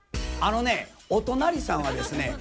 あのねお隣さんはですね